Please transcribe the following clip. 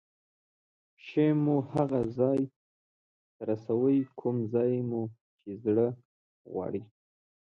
پښې مو هغه ځای ته رسوي کوم ځای مو چې زړه غواړي.